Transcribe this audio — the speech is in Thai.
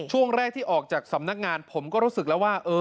ช่วงแรกที่ออกจากสำนักงานผมก็รู้สึกแล้วว่า